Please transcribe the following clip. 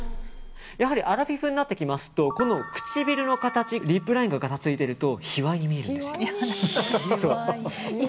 アラフィフになってきますとこの唇の形リップラインががたついてると卑猥に見えるんです。